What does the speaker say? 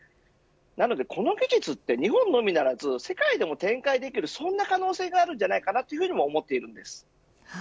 なのでこの技術は日本のみならず世界にも展開できるそんな可能性があるというふうにも思っています。